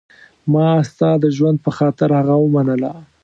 ما ستا د ژوند په خاطر هغه ومنله.